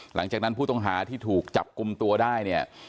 หลังจากนั้นผู้ต้องหาที่ถูกจับกลุ่มตัวได้เนี่ย